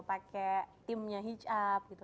pakai timnya hit up gitu